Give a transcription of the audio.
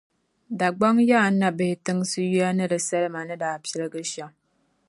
Dagbaŋ Ya-Nabihi tinsi yuya ni di salima ni daa piligi shɛm.